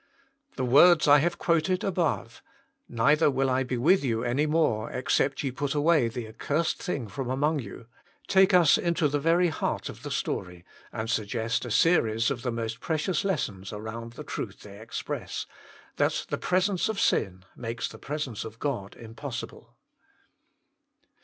The words I have quoted above, " Neither will I be with you any more, except ye put away the accursed thing from among you," take us into the very heart of the story, and suggest a series of the most precious lessons around the truth they express, that the presence of sin makes the presence of God impossible.